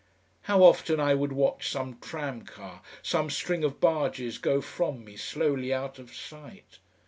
How often I would watch some tram car, some string of barges go from me slowly out of sight.